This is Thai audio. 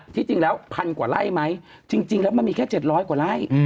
ที่จริงแล้วพันกว่าไร่ไหมจริงแล้วมันมีแค่๗๐๐กว่าไร่